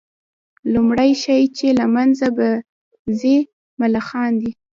لومړى شى چي له منځه به ځي ملخان دي